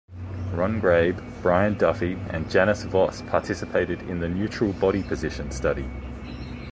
Ron Grabe, Brian Duffy and Janice Voss participated in the Neutral Body Position study.